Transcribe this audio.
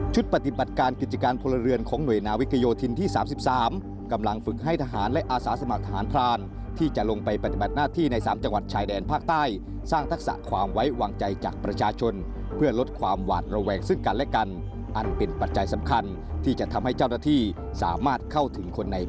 ปฏิบัติการกิจการพลเรือนของหน่วยนาวิกโยธินที่๓๓กำลังฝึกให้ทหารและอาสาสมัครทหารพรานที่จะลงไปปฏิบัติหน้าที่ใน๓จังหวัดชายแดนภาคใต้สร้างทักษะความไว้วางใจจากประชาชนเพื่อลดความหวาดระแวงซึ่งกันและกันอันเป็นปัจจัยสำคัญที่จะทำให้เจ้าหน้าที่สามารถเข้าถึงคนใน